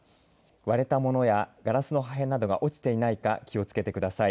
割れた物やガラスの破片が落ちていないか気をつけてください。